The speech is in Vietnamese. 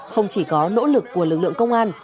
không chỉ có nỗ lực của lực lượng công an